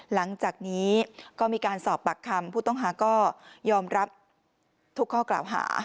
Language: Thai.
หลังจากนี้ก็มีการสอบปากคำผู้ต้องหาก็ยอมรับทุกข้อกล่าวหา